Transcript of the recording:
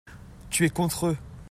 Tu es contre eux.